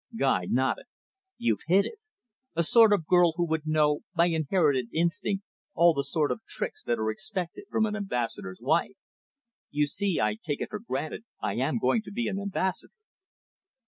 Guy nodded. "You've hit it. A sort of girl who would know, by inherited instinct, all the sort of tricks that are expected from an ambassador's wife. You see, I take it for granted I am going to be an ambassador."